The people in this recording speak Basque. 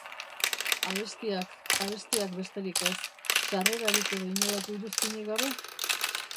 Abestiak, abestiak besterik ez, sarrerarik edo inolako iruzkinik gabe?